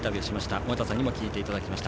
尾方さんに聞いていただきました。